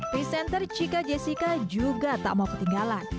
presenter chica jessica juga tak mau ketinggalan